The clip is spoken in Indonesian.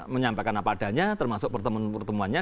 menyampaikan apa adanya termasuk pertemuan pertemuannya